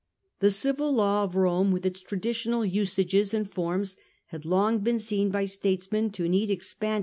The civil law of Rome, with its old traditional usages and forms, had long been seen by statesmen to need expan Sict.'